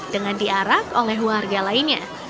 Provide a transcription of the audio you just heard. dengan diarak oleh warga lainnya